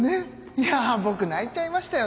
いや僕泣いちゃいましたよ